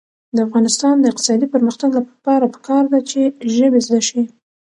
د افغانستان د اقتصادي پرمختګ لپاره پکار ده چې ژبې زده شي.